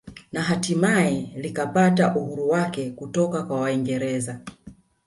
Na hatimaye likapata uhuru wake kutoka kwa waingereza